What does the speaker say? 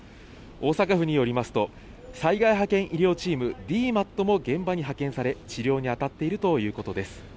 大阪府によりますと、災害派遣医療チーム・ＤＭＡＴも現場に派遣され、治療に当たっているということです。